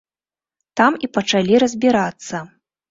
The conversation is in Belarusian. Там і пачалі разбірацца.